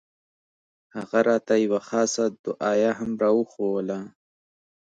هغه راته يوه خاصه دعايه هم راوښووله.